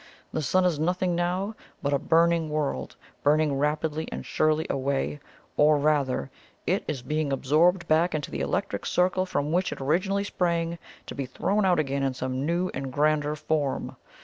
The Sun is nothing now but a burning world, burning rapidly, and surely, away: or rather, IT IS BEING ABSORBED BACK INTO THE ELECTRIC CIRCLE FROM WHICH IT ORIGINALLY SPRANG, TO BE THROWN OUT AGAIN IN SOME NEW AND GRANDER FORM.